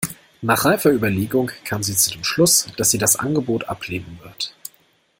Nach reifer Überlegung kam sie zu dem Schluss, dass sie das Angebot ablehnen wird.